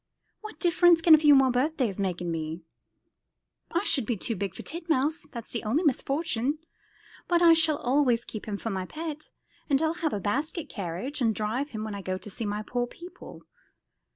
What difference can a few more birthdays make in me? I shall be too big for Titmouse, that's the only misfortune; but I shall always keep him for my pet, and I'll have a basket carriage and drive him when I go to see my poor people.